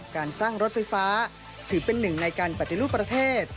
การสร้างรถไฟฟ้าถือเป็นหนึ่งในการปฏิรูปประเทศ